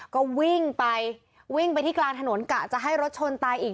ก็วิ่งไปวิ่งไปที่กลางถนนกะจะให้รถชนตายอีก